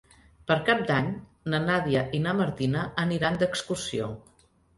Per Cap d'Any na Nàdia i na Martina aniran d'excursió.